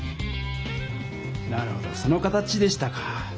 なるほどその形でしたか！